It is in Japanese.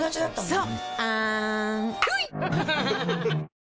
そう。